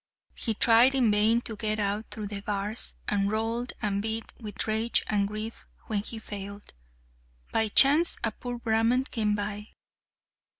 He tried in vain to get out through the bars, and rolled and bit with rage and grief when he failed. By chance a poor Brahman came by.